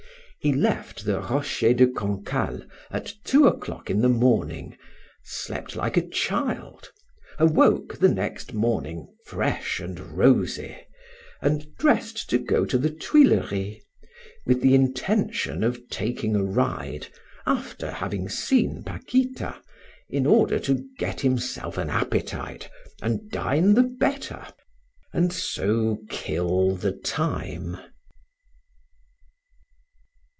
He left the Rocher de Cancale at two o'clock in the morning, slept like a child, awoke the next morning fresh and rosy, and dressed to go to the Tuileries, with the intention of taking a ride, after having seen Paquita, in order to get himself an appetite and dine the better, and so kill the time.